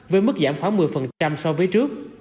với mức giảm khoảng một mươi so với trước